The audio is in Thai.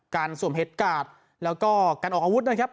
สวมเห็ดกาดแล้วก็การออกอาวุธนะครับ